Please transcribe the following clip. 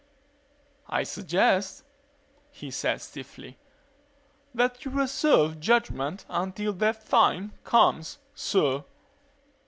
"I suggest," he said stiffly, "that you reserve judgement until that time comes, sir."